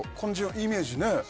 イメージね